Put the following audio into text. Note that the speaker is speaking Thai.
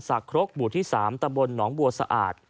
สักครกบ๓ตะบลหนองบัวสะอาด